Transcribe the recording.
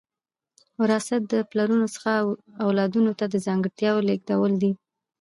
وراثت د پلرونو څخه اولادونو ته د ځانګړتیاوو لیږدول دي